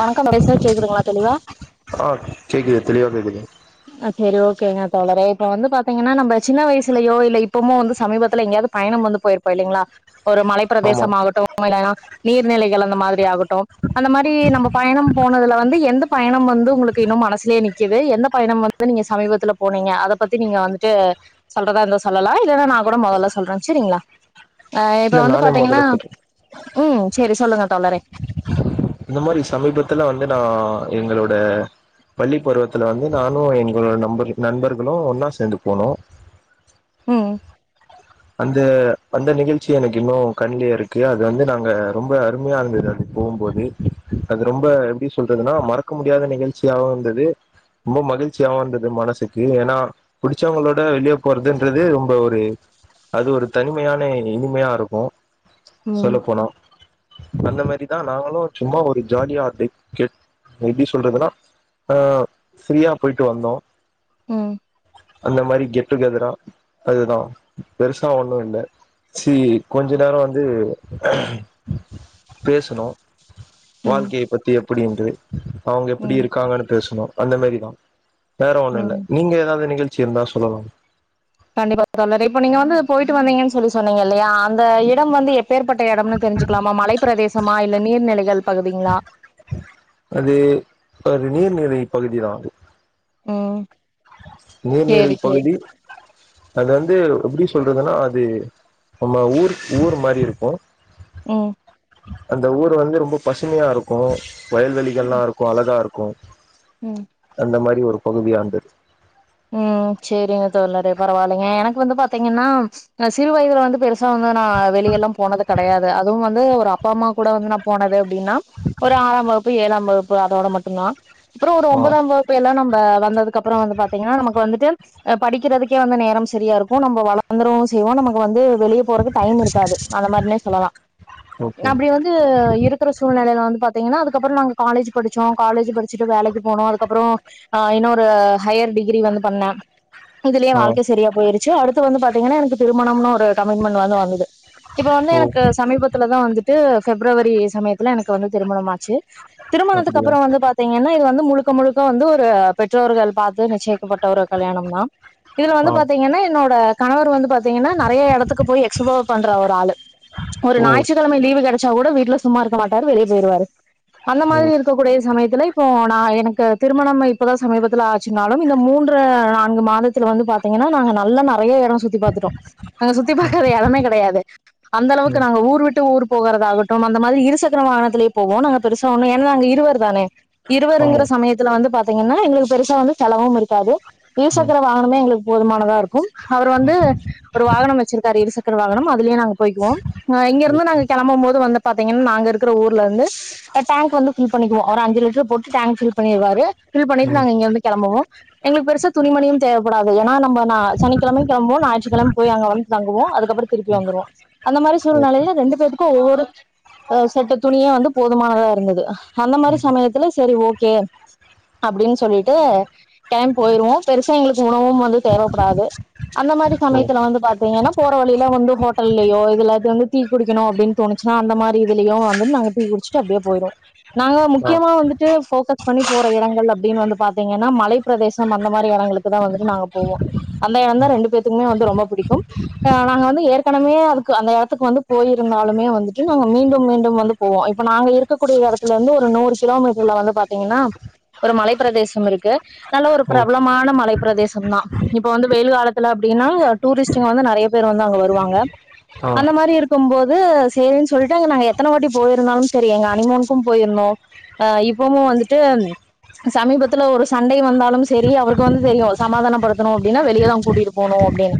வணக்கம் [unintelligible] கேக்குதுங்ளா தெளிவா ஆ கேக்குது தெளிவா கேக்குது ஆ சேரி ஓகேங்க ஓகே தோழரே இப்ப வந்து பாத்தீங்கன்னா நம்ம சின்ன வயசுலயோ இல்ல இப்பமோ வந்து சமீத்துல எங்கயாது போ பயண வந்து போயிருப்போ இல்லைங்களா ஒரு மலைப் ஆமா பிரதேசமாகட்டு [unintelligible] நீர்நிலைகள் அந்த மாதிரி ஆகட்டு அந்த மாரி நம்ம பயணம் போனதுல வந்து எந்த பயணம் வந்து உங்களுக்கு இன்னு மனசுல நிக்குது எந்தப் பயணம் வந்து நீங்க சமீபத்துல போனீங்க அத பத்தி நீங்க வந்துட்டு சொல்றதா இருந்தா சொல்லலா இல்லன்னா நா கூட மொதல்ல சொல்றே சேரிங்களா ஆ இப்ப இல்ல வந்து நானே பாத்தீங்கன்னா மொதல்ல சொல்றே ம் சேரி சொல்லுங்க தோழரே இந்த மாரி சமீபத்துல வந்து நா எங்களோட பள்ளி பருவத்துல வந்து நானு எங்களோட நம்பர் நண்பர்களு ஒன்னா சேர்ந்து போனோ ம் அந்த அந்த நிகழ்ச்சி எனக்கு இன்னு கண்லே இருக்கு அது வந்து நாங்க ரொம்ப அருமையா இருந்தது அது போவுபோது அது ரொம்ப எப்டி சொல்றதுன்னா மறக்க முடியாத நிகழ்ச்சியாவு இருந்தது ரொம்ப மகிழ்ச்சியாவு இருந்தது மனசுக்கு ஏன்னா புடிச்சவங்களோட வெளியே போறதுன்றது ரொம்ப ஒரு அது ஒரு தனிமையான இனிமையா இருக்கு சொல்ல ம் போனோ சொன்னமாறி தா நாங்களு சும்மா ஒரு ஜாலியா அத கேட் எப்டி சொல்றதுன்னா ஆஹ் ஃப்ரீயா போய்ட்டு வந்தோ ம் அந்த மாறி கெட்டுகெதரா அதுதா பெருசா ஒண்ணு இல்ல சி கொஞ்சோ நேர வந்து பேசணோ ம் வாழ்க்கைய பத்தி எப்டின்டு அவங்க எப்டி ம் இருக்காங்கன்னு பேசனு அந்த மேறி தா வேற ஒண்ணு இல்ல ம் நீங்க ஏதாவது நிகழ்ச்சி இருந்தா சொல்லலா கண்டிப்பா தோழரே இப்ப நீங்க வந்து போயிட்டு வந்தீங்கன்னு சொல்லி சொன்னீங்க இல்லயா அந்த இடம் வந்து எப் பேற்பட்ட இடம்ன்னு தெரிஞ்சுக்கலாமா மலை பிரதேசமா இல்ல நீர்நிலைகள் பகுதிங்களா அது ஒரு நீர்நிறை பகுதிதா ம் நீர்நிலை சேரி சேரி பகுதி அது வந்து எப்டி சொல்றதுன்னா அது நம்ம ஊர் ஊர் மாறி இருக்கு ம் அந்த ஊரு வந்து ரொம்ப பசுமையா இருக்கு கும் வயல்வெளிகல்லா இருக்கு அழகா இருக்கு ம் அந்த மாறி ஒரு பகுதியாண்டு ம் சேரிங்க தோழரே பரவாயில்லங்க எனக்கு வந்து பாத்தீங்கன்னா சிறு வயதுல வந்து பெருசா வந்து நா வெளிய எல்லா போனது கெடையாது அதுவு வந்து ஒரு அப்பா அம்மா கூட வந்து நா போனது அப்டின்னா ஒரு ஆறா வகுப்பு ஏழா வகுப்பு அதோட மட்டுதா அப்பற ஒரு ஆ ஒன்பதா வகுப் இப்ப எல்லா நம்ப வந்ததுக்கு அப்பற வந்து பாத்தீங்கன்னா நமக்கு வந்துட்டு படிக்கிறதுக்கே வந்த நேர சரியா இருக்கு நம்ம வளர்ந்துவோ செய்வோ நமக்கு வந்து வெளியே போறக்கு டைம் இருக்காது அது மாறினே சொல்லலா ஓகே அப்டி வந்து இருக் இருக்க சூழ்நிலயில வந்து பாத்தீங்கன்னா அதுக்கப்பற நாங்க காலேஜ் படிச்சோ காலேஜ் படிச்சுட்டு வேலைக்கு போனோ அதுக்கப்பற திரு ஆஹ் இன்னொரு ஹையர் டிகிரி வந்து பண்ணானே இதுலயே ஆ வாழ்க்கை தெரியா போயிருச்சு அடுத்து வந்து பாத்தீங்கன்னா எனக்கு திருமணம்னு ஒரு கமிட்மெண்ட் வந்து வந்தது இப்ப வந்து ஓ எனக்கு சமீபத்துலதா வந்துட்டு பிப்ரவரி சமயத்துல எனக்கு வந்து திருமணமாச்சு திருமணத்துக்கு அப்டியா அப்புற வந்து பாத்தீங்கன்னா இது வந்து முழுக்க முழுக்க வந்து ஒரு பெற்றோர்கள் பாத்து நிச்சயிக் ப்பட்ட ஒரு கல்யாணந்தா இதுல வந்து ஆ பாத்தீங்கன்னா என்னோட கணவர் வந்து பாத்தீங்கன்னா நெறைய எடத்துக்கு போயி எக்ஸ்போ பண்ற ஒரு ஆள் ஒரு ஓ ஞாயிற்று கிழமை லீவு கிடச்சா கூட வீட்ல சும்மா இருக்க மாட்டாரு வெளிய போயிருவாரு அந்த ஓ மாறி இருக்க கூடிய சமயத்துல போனா எனக்கு திருமணம் இப்போதா சமீபத்துல ஆச்சுன்னாலு இந்த மூன்று நான்கு மாதத்துல வந்து பாத்தீங்கன்னா நாங்க நல்லா நறைய எடம் சுத்தி பாத்துட்டோ நாங்க சுத்தி பாக்காத எடமே கெடையாது அந்த அளவுக்கு ம் நாங்க ஊர் விட்டு ஊர் போகறதாகட்டு அந்த மாறி இருசக்கர வாகனத்திலயே போவோ நாங்க பெருசா ஒண்ணு ஏன்னா நாங்க இருவர் தானே ஆமா இருவருங்கிற சமயத்துல வந்து பாத்தீங்கன்னா எங்களுக்கு பெருசா ஒண்ணும் செலவு இருக்காது ம் இருசக்கர வாகனமே எங்களுக்கு போதுமானதா இருக்கும் அவரு வந்து ஒரு வாகனம் வச்சிருக்காரு இரு சக்கர வாகனம் அதுலயே நாங்க போய்குவோ ம் இங்க இருந்து நாங்க கெளம்பும் போது வந்து பாத்தீங்கன்னா நாங்க இருக்கிற ஊர்ல இருந்து டேங் வந்து ஃபில் பண்ணிக்குவோ அவரு அஞ்சு லிட்ரு போட்டு டேங் ஃபில் பண்ணிருவாரு ஃபில் பண்ணிட்டு ம் நாங்க இருந்து கெளம்புவோ எங்களுக்கு பெருசா துணிமணியு தேவைபடாது ஏன்னா நம்போ நா சனிக்கிழமையு கெளம்புவோ ஞாயிற்றுக்கிழமை போய் அங்க வந்து தங்குவோ அதுக்கப்றோ திருப்பி வந்துருவோ அந்த மாறி ஓகே சூழ்நிலையில ரெண்டு பேத்துக்கு ஒவ்வொரு செட்டு துணியே வந்து போதுமானதா இருந்தது அந்த மாறி சமயத்துல சரி ஓகே அப்டின்னு சொல்லிட்டு கெளம்பி போய்ருவோ பெருசா எங்களுக்கு உணவும் வந்து தேவப்படாது அந்த மாறி ஓ சமயத்துல வந்து பாத்தீங்கன்னா போற வழியில வந்து ஹோட்டல்லயோ இல்ல வந்து டீ குடிக்கணு அப்டின்னு தோணுச்சுன்னா அந்த மாறி‌ இதுலயு வந்து நாங்க டீ குடிச்சுட்டு அப்டியே போய்ருவோ நாங்க ஆ முக்கியமா வந்துட்டு போக்கஸ் பண்ணி போற இடங்கள் அப்டின்னு வந்து பாத் தீங்கன்னா மலைப்பிரதேசம் அந்த மாறி இடங்களுக்கு தா வந்துட்டு நாங்க போவோ அந்த எடந்தா ரெண்டு பேத்துக்குமே வந்து ரொம்ப புடிக்கும் நாங்க வந்து ஏற்கனவே அதுக்கு அந்த எடத்துக்கு வந்து போயிருந்தாலுமே வந்துட்டு நாங்க மீண்டும் மீண்டும் வந்து போவோ இப்ப நாங்க இருக்கக்கூடிய எடத்துல இருந்து ஒரு நூறு கிலோமீட்டர்ல வந்து பாத்தீங்கன்னா ஒரு மலைப் பிரதே சம் இருக்கு நல்ல ஒரு ஓ பிரபலமான மலை பிரதேசம் தா இப்ப வந்து வெயில் காலத்துல அப்படின்னா டூரிஸ்டுங்க வந்து நெறைய பேர் வந்து அங்க வருவாங்க ஆ அந்த மாறி இருக்கும் போது சேரின்னு சொல்ட்டு அங்க நாங்க எத்தனை வாட்டி போயிருந்தாலு சேரி எங்க அனிமூனுக்கும் போயிருந்தோ அ இப்பவு வந்துட்டு சமீபத்து ல ஒரு சண்டை வந்தாலும் சேரி அவருக்கு வந்து தெரியு சமாதானப்படுத்தணு அப்டின்னா வெளியதா கூட்டிட்டு போணு அப்டின்னு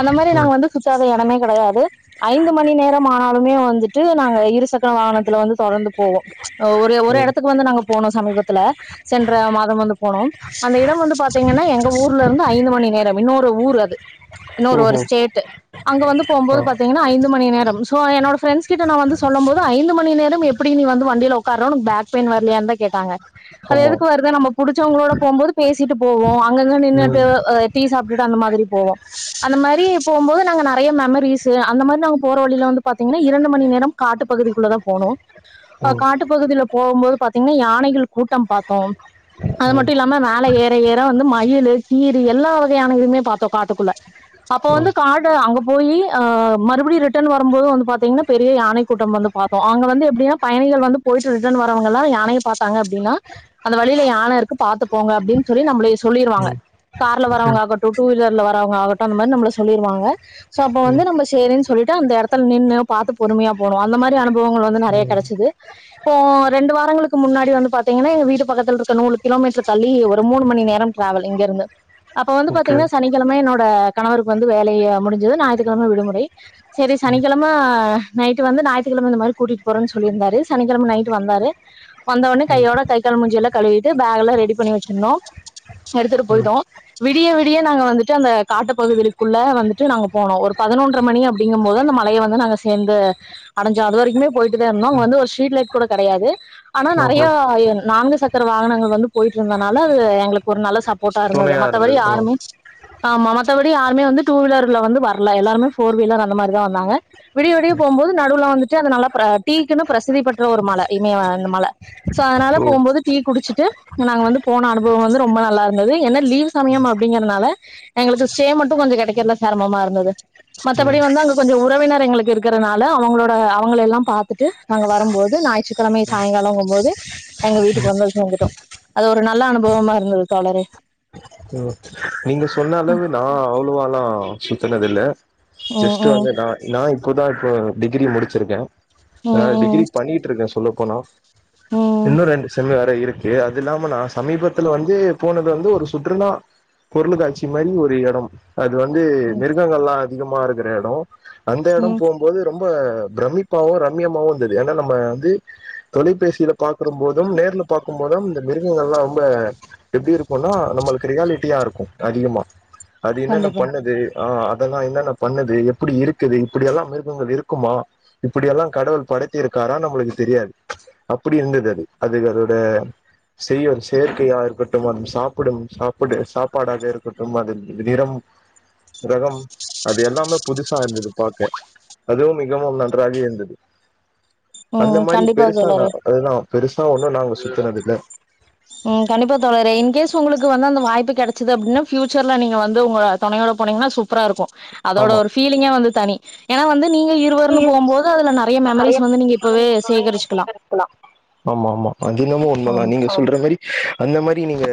அந்த மாறி நாங்க ம் வந்து சுத்தாத எடமே கிடையாது ஐந்து மணி நேரம் ஆனாலுமே வந்துட்டு நாங்க இருசக்கர வாகனத்துல வந்து தொடர்ந்து போவோ அ ஒரே ஒரு ஓ இடத்துக்கு வந்து நாங்க போனோ சமீபத்துல சென்ற மா தம் போனோ அந்த இடம் வந்து பாத்தீங்கன்னா எங்க ஊர்ல இருந்து ஐந்து மணி நேரம் இன்னொரு ஊர் அது இன்னொரு ஒரு ஓஹோ ஸ்டேட்டு அங்க வந்து போம்போது ஆ பாத்தீங்கன்னா ஐந்து மணி நேரம் சோ என்னோட ஃப்ரெண்ட்ஸ் கிட்ட நா வந்து சொல்லும் போது ஐந்து மணி நேரம் எப் பிடி நீ வந்து வண்டில உட்கார உனக்கு பேக் பெயின் வரலயான்னுதா கேட்டாங்க அது ஆமா எதுக்கு வருது நம்ம புடிச்சவங்களோட போம்போது பேசிட்டு போவோ அங்கங்க நின்னுட்டு ம் அ டீ சாப்ட்டு அந்த மாதிரி போவோ அந்த மாறி போம்போது நாங்க நறைய மெமரிஸ்சு அந்த மாறி நாங்க போற வழியில வந்து பாத்தீங்கன்னா இரண்டு மணி நேரம் காட்டு பகுதிக்குள்ள தா போனோ இப்ப ம் ம் காட்டுப்பகுதியில போம் போது பாத்தீங்கன்னா யானைகள் கூட்டம் பாத்தோ அது ம் மட்டு ம் இல்லாம மேல ஏற ஏற வந்து மயிலு கீரி எல்லா வகையான இதுமே பாத்தோ காட்டுக்குள்ள அப்ப வந்து காடு அங்க போயி அ மறுபடியு ரிட்டன் வரம்போது வந்து பாத்தீங்கன்னா பெரிய யானை கூட்டம் வந்து பாத் ப்போ அங்க வந்து எப்டின்னா பயணிகள் வந்து போயிட்டு ரிட்டன் வரவங்கெல்லா யானைய பாத்தாங்க அப்டின்னா கீழ யானையிருக்கு பாத்துப்போங்க அப்டின்னு சொல்லி நம்மள ம் சொல்லிருவாங்க ம் கார்ல வரவங்க ஆகட்டும் டூவீலர்ல வரவங்கட்டும் அந்த மாறி நம்மள சொல்லிருவாங்க சோ அப்ப வந்து நம்ம சேரின்னு சொல்லிட்டு அந்த இடத்துல நின்னு பார்த்து பொறுமையா போகும் அந்தமாதிரி அனுபவங்கள் வந்து நிறைய ம் கிடைச்சுது இப்போ ரெண்டு வாரங்களுக்கு முன்னாடி வந்து பார்த்தீங்கன்னா எங்க வீடு பக்கத்தில இருக்க நூறு கிலோமீட்டர் தள்ளி ஒரு மூணுமணி நேரம் டிராவல் இங்க இருந்து அப்ப வந்து ஓகே பாத்தீங்கன்னா சனிக்கிழம என்னோட கணவருக்கு வந்து வேலையை முடிஞ்சுருது ஞாயித்துக்கிழம விடுமுறை சேரி சனிக்கிழம நைட்டு வந்து ஞாயிற்றுக்கிழம இந்த மாறி கூட்டிட்டு போறோன்னு சொல்லிருந்தாரு சனிக்கிழம நைட்டு வந்தாரு வந்தவுடனே ம் கையோட கை கால் மூஞ்சி எல்லாம் கழுவிட்டு பேக் எல்லாம் ரெடி பண்ணி வச்சிருந்தோம் ஃபர்தர் ம் போயுட்டோம் விடிய விடிய நாங்க வந்துட்டு அந்த காட்டு பகுதிகுள்ள வந்துட்டு நாங்க போனோம் ஒரு பதினொன்ற மணி அப்படி ப்டிங்கும் போது அந்த மலையை வந்து நாங்க சேந்து அடைஞ்சோம் அது வரைக்குமே போயிட்டு தான் இருந்தோம் வந்து ஒரு ஸ்ட்ரீட் லைட் கூட கிடையாது ஆனா ஓஹோ நிறையா நான்கு சக்கர வாகனங்கள் வந்து போயிட்டு இருந்தனால அது எங்களுக்கு ஒரு நல்ல சப்போர்ட்டா இருந்தது துணையா மத்தபடி ஆ யாருமே ஆமா மத்தபடி யாருமே வந்து டூ வீலர்ல வந்து வரல எல்லாருமே போர் வீலர் அந்த மாறிதான் வந்தாங்க விடிய விடிய போம்போது நடுவுல வந்துட்டு அதுநல்ல பிரச் டீக்குனு பிரசித்தி பெற்ற ஒரு மலை இமய. சோ அதுனால ஓ போம்போது டீ குடிச்சிட்டு நாங்க வந்து போன அனுபவம் வந்து ரொம்ப நல்லா இருந்தது ஏன்னா லீவ் சமயம் அப்புடிங்கறதுனால எங்களுக்கு ஸ்டே மட்டும் கொஞ்சம் கிடைக்குறதுல சிரமமா இருந்தது மத்தபடி ம் வந்து அங்க கொஞ்சம் உறவினர் எங்களுக்கு இருக்குறதுனால அவங்களோட அவங்கள எல்லாம் பாத்துட்டு நாங்க வரும் போது ஞாயிற்றுக்கிழமை சாயங்காலம்ங்கும்போது எங்க வீட்டுக்கு வந்த சேர்ந்துடுட்டோம் அது ஒரு நல்ல அனுபவமா இருந்தது தோழரே ஓகே ஓகே நீங்க சொன்ன அளவு நான் அவ்வளவ எல்லாம் சுத்தினது இல்ல ம் ம் ஜஸ்ட் ம் வந்து நான் நான் இப்போதான் இப்போ டிகிரி முடிச்சிருக்கேன் ம் ஆனா ம் டிகிரி பண்ணிட்டு இருக்கேன் சொல்ல போனா ம். இன்னும் ரெண்டு செம் வேற இருக்கு அது இல்லாம சமீபத்துல வந்து போனது வந்து ஒரு சுற்றுலா பொருளுகாட்சி மாறி ஒரு இடம் அது வந்து ம் மிருகங்கள்லாம் அதிகமா இருக்கிற இடம் அந்த இடம் ம் போம்போது ரொம்ப பிரமிப்பாவும் ரம்மியமாவும் இருந்தது ஏன்னா நம்ம வந்து தொலைபேசியில பாகறும் போதும் நேர்ல பாக்கும் போதும் இந்த மிருகங்கள் எல்லாம் ரொம்ப எப்படி இருக்கும்னா நம்மளுக்கு ரியாலிட்டியா இருக்கும் அதிகமா அது என்னென்ன கண்டிப்பா பண்ணுது ஆ அதெல்லாம் என்னன்ன பண்ணுது எப்படி இருக்குது இப்படிெல்லாம் மிருகங்க இருக்குமா இப்படியெல்லாம் கடவுள் படைத்தி இருக்காரா நம்மளுக்கு தெரியாது அப்படி இருந்தது அது அதுக்கு அதோட செய்ய ஒரு செயர்கற்கையா இருக்கட்டும் அ சாப்பிடும் சாப்பிட சாப் பாடாக இரு கட்டும் அதன் நிறம் ரகம் அது எல்லாமே புதுசா இருந்தது பாக்க அதுவும் மிகவும் நன்றாக இருந்தது அந்த ம் மாதிரி கண்டிப்பா பெருசா நா தோழரே அதுதான் பெருசா ஒண்ணும் நாங்க சுத்தினது இல்ல ம் கண்டிப்பா தோழரே இன்கேஸ் உங்களுக்கு வந்து அந்த வாய்ப்ப கிடச்சது அப்படின்னா பஃயூச்சர்ல நீங்க வந்து உங்க துணையோட போனீங்கன்னா சூப்பரா இருக்கும் அதோட ஆமா ஒரு ஃபீலிங்கே வந்து தனி ஏன்னா வந்து நீங்க இருவருன்னு போகும் போது அதுல நிறைய மெமரிஸ் வந்து நீங்க இப்பவே சேகரிச்சிக்கலாம் ஆமா ஆமா அது என்னமோ உண்ம ஆமா தான் நீங்க சொல்ற மாதிரி அந்த மாதிரி நீங்க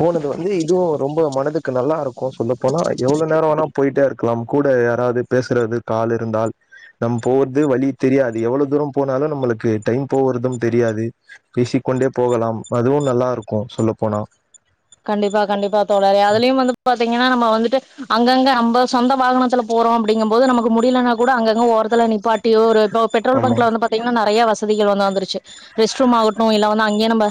போனது வந்து இதுவும் ரொம்ப மனதுக்கு நல்லா இருக்கும் சொல்ல போனா எவ்வளவு நேரம் வேனா போயிட்டே இருக்கலாம் கூட யாராவது பேசுறதுக் ஆள் இருந்தால் நம்ம போவறது வழி தெரியாது எவ்வளவு தூரம் போனாலும் நம்மளுக்கு டைம் போவறதும் தெரியாது பேசிக்க கொண்டே போகலாம் அதுவும் நல்லா இருக்கும் சொல்ல போனா கண்டிப்பா கண்டிப்பா தோழரே அதுலயும் வந்து பாத்தீங்கன்னா நம்ம வந்துட்டு அங்கங்க நம்ம சொந்த வாகனத்துல போறோ அப்படிங்கம்போது நமக்கு முடியலன்னா கூட அங்கங்க ஒரத்துல நீப்பாட்டியோ ஒரு பெட்ரோல் ஆமா பங்க்ல வந்து பாத் ங்கன்னா நெறய வசதிகள் வந்து வந்துருச்சு ரெஸ்ட் ரூம் ஆகட்டு இல்ல வந்து அங்கேய நம்ம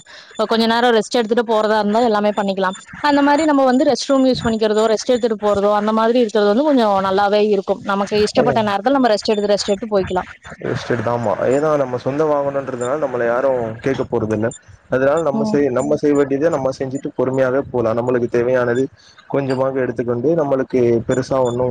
கொஞ்ச நேரோ ரெஸ்ட் எடுத்துட்டு போறதா இருந்தா எல்லாமே பண்ணிக்கலா அந்த மாதிரி நம் வந்து ரஸ்ட் ரூ யூ பண்ணிக்கிறதோ ரெஸ் எடுத்துட்டு போறதோ அ மாரி இருக்கிறது வந்து கொஞ்சம் நல்லாவ இரு கும் நமக்குஷப்பட்ட நேரத்தில நம் ரெட்எடு ரெஸ்ட் எடுத்து போய்க்கலா ரெஸ்ட் எடுதாமா ஏதா நம்ம சொந்த வாங்கணன்றதுனால நம்மள யாரு கேக்க போறது இல்ல அதனால நம்ம ம் செய் நம்ம செய்ய வேண்டியத நம்ம செஞ்சுட்டு பொறுமையாவே போலா நம்மளுக்கு தேவையானது கொஞ்சமாது எடுத்துக்கொண்டு நம்மளுக்கு பெருசா ஒண்ணு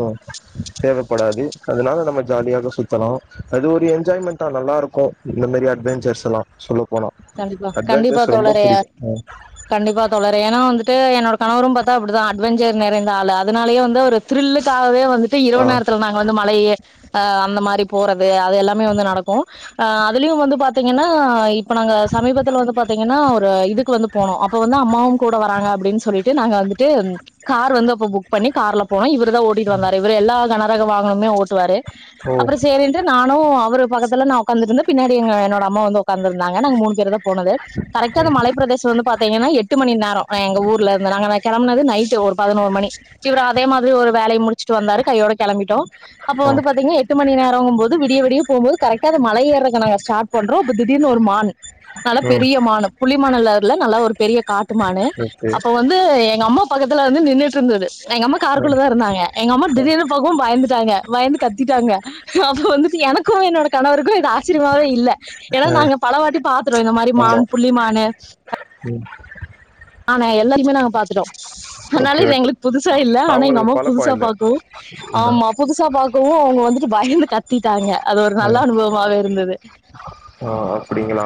தேவைப்படாது அதனால நம்ம ஜாலியாக சுத்தனு அது ஒரு என்ஜாய்மெண்டா நல்லாருக்கு இந்த மாரி அட்வெஞ்சர்ஸ் எல்லாம் சொல்ல போன கண்டிப்பா கண்டிப்பா அட்வெஞ்சர்ஸ் ரொம்ப தோழரே புடிக்கு அ கண்டிப்பா தோழறே ஏன்னா வந்துட்டு என்னோட கணவரு பாத்தா அப்படிதா அட்வெஞ்சர் நெறைந்த ஆளு அதனாலயே வந்து ஒரு த்ருல்லுக்காகவே வந்துட்டு இரவு ஆ நேரத்துல நாங்க வந்து மழையே அ அந்த மாரி போறது அது எல்லாமே வந்து நடக்கு அ அதுலயு வந்து பாத்தீங்கன்னா இப் இப்ப நாங்க சமீபத்துல வந்து பாத்தீங்கன்னா ஒரு இதுக்கு வந்து போனோ அப்ப வந்து அம்மாவு கூட வராங்க அப்டின்னு சொல்லி ட்டு நாங்க வந்துட்டு கார் வந்து அப்ப புக் பண்ணி கார்ல போனோ இவரு தா ஓட்டிட்டு வந்தாரு இவர் எல்லா கண ரக வாகனமே ஓட்டுவாரு ஓ அப்பற சேரி நானு அவரு பக்கத்து நா உக்காந்துட்ருந்தே பின்னாடி எங்க என்னோட அம்மா வந்து உக்காந்துருதாங்க நாங்க மூணு பேர்தா போனது கரெக்ட்டா அந்த ம் மலை பிரதேச வந்து பாத்தீங்கன்னா எட்டு மணி நேரோ அ எங்க ஊர்ல இருந்து நாங்க கெளம்பனது நைட் ஒரு பதினோரு மணி சிவர அதே மாதிரி ஒரு வேலைய முடிச்சுட்டு வந்தாரு கையோட கெளம்பிட்டோ அப்ப ஆ வந்து பாத்தீங்க எட் டு மணி நேரங்கும் போது விடிய போம்போது கரெக்டா அது மலைய ஏறத நாங்க ஸ்டார்ட் பண்றோ இப்ப திடர்னு ஒரு மான் நல்ல ம் பெரிய மானு புளி மானுல்ல நல்லா ஒரு பெரிய காட்டு மானு ஓகே அப்ப வ வந்து எங்கம்மா பக்கத்துல வந்து நின்றுட்ருந்தது எங்கம்மா காருக்குள்ள ம் தா இருந்தாங்க எங்க அம்மா திடீர் அப்பாவு பயந்துட்டாங்க பயந்து கத்திட்டாங்க அப்ப வந்துட்டு எனக்கு என்னோட கணவருக்கு இது ஆச்சரியமாவே இல்ல ஏன்னா நாங்க பலவாட்டி பாத்துட்டோ இந்த மாரி ஆமா மான் புள்ளி மானு ம் ஆனா எல்லாருக்குமே நா பாத்துட்டோ அதனால ஓகே இது ஓகே எங்களுக்கு புதுசா இல்ல ஆனா எங்க அவங்களுக்கு அம்மாக்கு பழக்கோ புதுசா இல்ல பாக்கவு இதா ஆமா புதுசா புசா பாக்கவு அவங்க வந்துட்டு பயந்து கத்திட்டாங்க அது ஒரு நல்லா ம் அனுபவமா இருந்தது ஆ அப்படிங்களா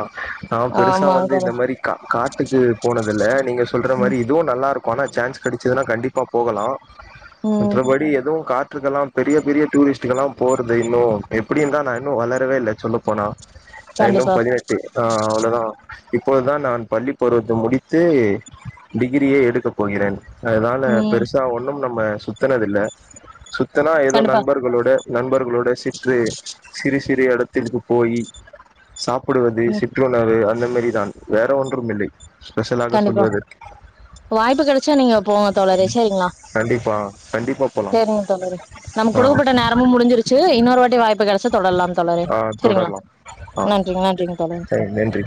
நா பெருசா ஆமா வந்து இந்த தோழர் மாரி கா காட்டுக்கு போனதில்ல நீங்க சொல்ற மாரி ம் இதுவு நல்லாருக்கு ஆனா சான்ஸ் கிடச்சதுனா கண்டிப் ப்பா போகலா ம் மற்றபடி எதுவு காற்றுக்கெல்லா பெரிய பெரிய டூரிஸ்ட்டு்கல்லா போறது இன்னு எப்படின்னு தா நா இன்னு வளரவே இல்ல சொல்லப்போனா ரன்னும் கண்டிப்பா பதினெட்டு ஆ அவ்ளதா இப்போதுதா நா பள்ளி பருவத்தை முடித்து டிகிரியே எடுக்க போகிறே அதனால ம் பெருசா ஒன்னும் நம்ம சுத்தனதில்ல சுத்துனா ஏதோ கண்டிப்பா நண்பர்களோட நண்பர்களோட சிற்று சிறு சிறு இடத்துக்கு போயி சாப்பிடுவது ம் சிற்றுணவு அந்த மாரி தான் வேற ஒன்றும் இல்லை ஸ்பெஷலாக கண்டிப்பா சொல்லுவது வாய்ப்பு கெடைச்சா நீங்க போங்க தோழரே சேரிங்களா கண்டிப்பா கண்டிப்பா போலாம் சேரிங்க தோழரே நமக்கு ஆ குடுக்கப்பட்ட நேரமு முடிஞ்சிருச்சு இன்னொரு வாட்டி வாய்ப்பு கெடை சா தொடரலா தோழரே ஆ சரிங்களா தொடரலாம் ஆ நன்றிங்க நன்றிங்க தோழரே சரி நன்றி